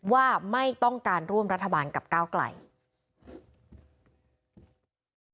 ว่าไม่ต้องการร่วมรัฐบาลกับก้าวไกล